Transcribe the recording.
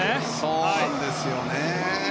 そうなんですよね。